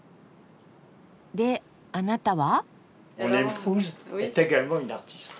であなたは？